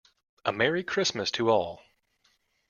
A Merry Christmas to all!